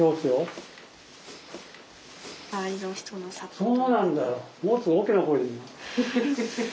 そうなんだよ。